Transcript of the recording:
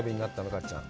かっちゃん。